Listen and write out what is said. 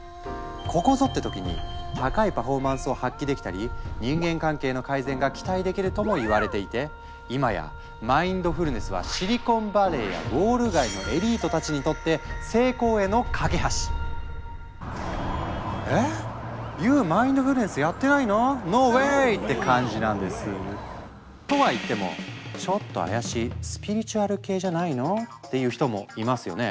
「ここぞ！」って時に高いパフォーマンスを発揮できたり人間関係の改善が期待できるともいわれていて今や「マインドフルネス」はシリコンバレーやウォール街のエリートたちにとってえ⁉ＹＯＵマインドフルネスやってないの⁉ＮＯＷＡＹって感じなんです。とは言っても「ちょっと怪しいスピリチュアル系じゃないの？」っていう人もいますよね？